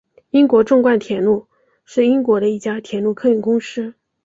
英国纵贯铁路是英国的一家铁路客运公司。